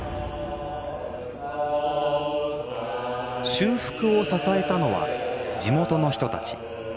修復を支えたのは地元の人たち。